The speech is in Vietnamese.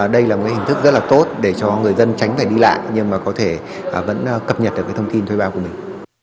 đây là một hình thức rất là tốt để cho người dân tránh phải đi lại nhưng mà có thể vẫn cập nhật được cái thông tin thuê bao của mình